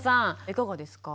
いかがですか？